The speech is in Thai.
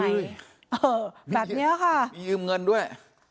เออแบบเนี่ยค่ะมียืมเงินด้วย